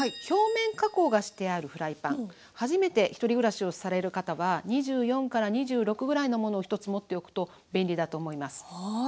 表面加工がしてあるフライパン初めて１人暮らしをされる方は２４２６ぐらいのものを１つ持っておくと便利だと思います。